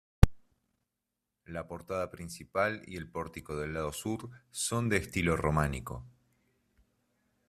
La portada principal y el pórtico del lado sur son de estilo románico.